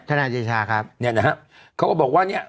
ท่านายเดชาครับ